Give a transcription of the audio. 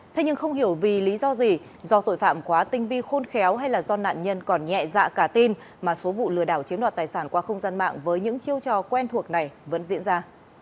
thế nhưng không hiểu vì lý do gì do tội phạm quá tinh vi khôn khéo hay là do nạn nhân còn nhẹ dạ cả tin mà số vụ lừa đảo chiếm đoạt tài sản qua không gian mạng với những chiêu trò quen thuộc này vẫn diễn ra